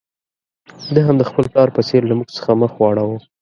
ده هم د خپل پلار په څېر له موږ څخه مخ واړاوه.